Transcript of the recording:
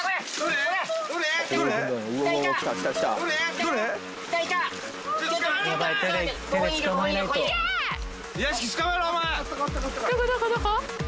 どこどこどこ？